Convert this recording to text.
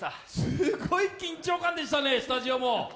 すごい緊張感でしたね、スタジオも。